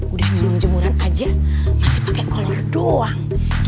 udah nyolong jemuran aja masih pake kolor doang